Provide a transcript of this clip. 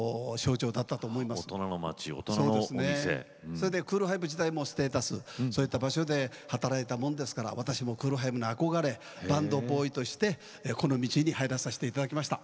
それでクール・ファイブ自体もステータスそういった場所で働いたもんですから私もクール・ファイブに憧れバンドボーイとしてこの道に入らさせて頂きました。